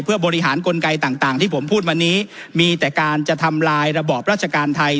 เพื่อบริหารกลไกต่างที่ผมพูดวันนี้มีแต่การจะทำลายระบอบราชการไทย